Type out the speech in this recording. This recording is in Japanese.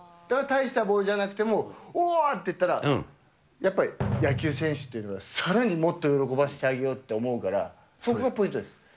だから大したボールじゃなくて、おーって言ったら、やっぱり野球選手というのは、さらにもっと喜ばせてあげようと思うから、そこがポイントです。